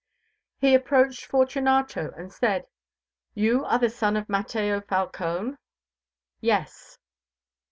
He approached Fortunato and said: "You are the son of Mateo Falcone?" "Yes."